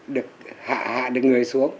được hạ hạ được người xuống